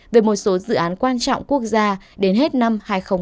về một số dự án quan trọng quốc gia đến hết năm hai nghìn hai mươi